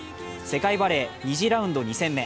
世界バレー２次ラウンド２戦目。